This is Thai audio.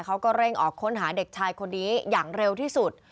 เขาก็เร่งออกค้นหาเด็กชายคนนี้อย่างเร็วที่สุด